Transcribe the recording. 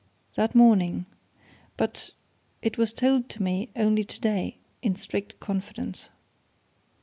"That morning. But it was told to me, only today, in strict confidence."